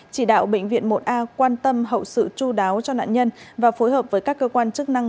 chỉ đạo bệnh viện một a quan tâm hậu sự chú đáo cho nạn nhân và phối hợp với các cơ quan chức năng